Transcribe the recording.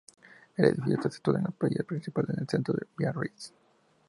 El edificio está situado en la playa principal en el centro de Biarritz.